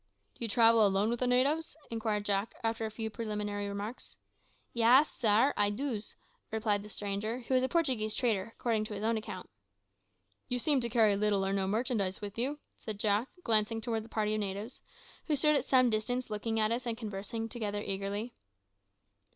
"Do you travel alone with the natives?" inquired Jack, after a few preliminary remarks. "Yaas, sair, I doos," replied the stranger, who was a Portuguese trader, according to his own account. "You seem to carry little or no merchandise with you," said Jack, glancing towards the party of natives, who stood at some distance looking at us and conversing together eagerly.